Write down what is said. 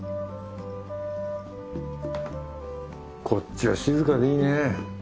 こっちは静かでいいね。